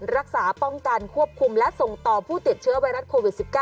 รักษาป้องกันควบคุมและส่งต่อผู้ติดเชื้อไวรัสโควิด๑๙